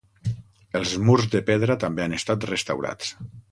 Els murs de pedra també han estat restaurats.